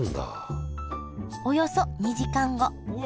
およそ２時間後。